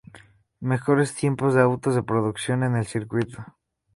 Mejores tiempos de autos de producción en el circuito.